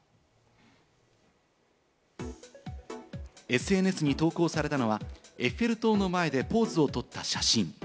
ＳＮＳに投稿されたのは、エッフェル塔の前でポーズを撮った写真。